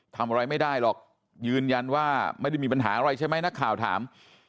ทำอะไรไม่ได้หรอกยืนยันว่าไม่ได้มีปัญหาอะไรใช่ไหมนักข่าวถาม